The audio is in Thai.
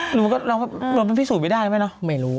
หรือมันก็ลงไปพิสูจน์ไม่ได้หรือเปล่าไม่รู้